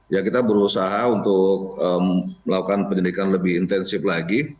ya kita berusaha untuk melakukan penyelidikan lebih intensif lagi